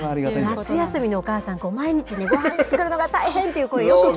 夏休みのお母さん、毎日ごはん作るのが大変！っていう声、よ